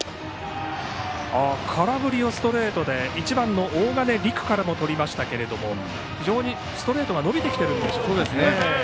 空振りをストレートで１番の大金莉久からもとりましたが非常にストレートが伸びてきていますね。